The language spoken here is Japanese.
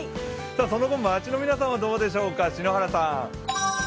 その後街の皆さんはどうでしょうか、篠原さん。